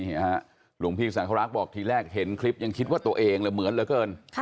หลวงพี่สังครักษ์บอกทีแรกเห็นคลิปยังคิดว่าตัวเองเลยเหมือนเหลือเกิน